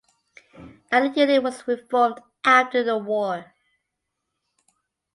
Neither unit was reformed after the war.